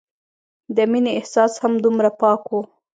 د مينې احساس هم دومره پاک وو